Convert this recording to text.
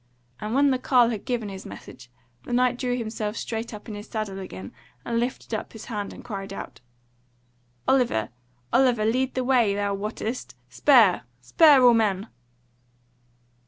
And when the carle had given his message the Knight drew himself straight up in his saddle again and lifted up his hand and cried out: "Oliver! Oliver! lead on the way thou wottest! Spur! spur, all men!"